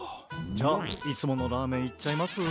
じゃあいつものラーメンいっちゃいます？